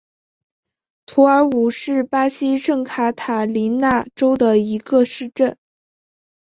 图尔武是巴西圣卡塔琳娜州的一个市镇。